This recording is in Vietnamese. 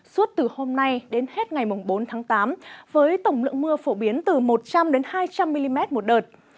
suốt từ hôm nay đến hết ngày bốn tháng tám với tổng lượng mưa phổ biến từ một trăm linh hai trăm linh mm một đợt